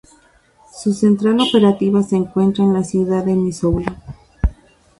Su central operativa se encuentra en la ciudad de Missoula.